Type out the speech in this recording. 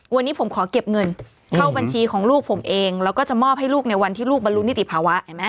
วันนี้ผมขอเก็บเงินเข้าบัญชีของลูกผมเองแล้วก็จะมอบให้ลูกในวันที่ลูกบรรลุนิติภาวะเห็นไหม